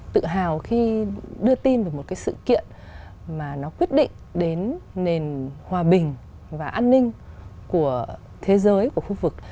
tự hào khi đưa tin về một cái sự kiện mà nó quyết định đến nền hòa bình và an ninh của thế giới của khu vực